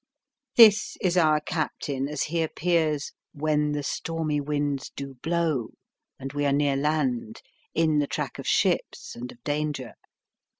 This is our captain as he appears " when the stormy winds do blow " and we are near land, in the track of ships and of danger.